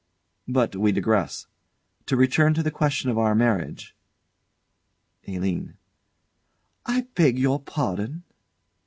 But we digress. To return to the question of our marriage ALINE. I beg your pardon.